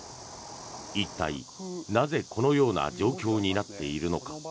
一体、なぜこのような状況になっているのか。